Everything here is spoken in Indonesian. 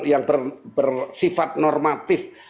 yang bersifat normatif